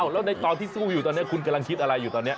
แล้วในตอนที่สู้อยู่ตอนนี้คุณกำลังคิดอะไรอยู่ตอนนี้